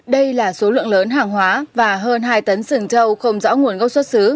đây là số lượng lớn hàng hóa và hơn hai tấn sừng trâu không rõ nguồn gốc xuất xứ